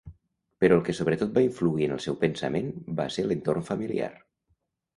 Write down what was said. Però el que sobretot va influir en el seu pensament va ser l’entorn familiar.